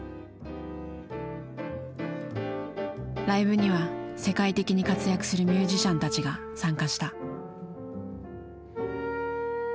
ライブには世界的に活躍するミュージシャンたちが参加した。